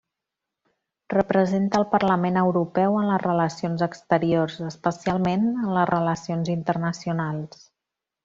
Representa al Parlament Europeu en les relacions exteriors, especialment en les relacions internacionals.